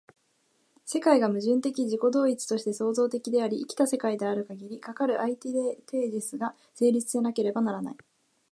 世界が矛盾的自己同一として創造的であり、生きた世界であるかぎり、かかるアンティテージスが成立せなければならない。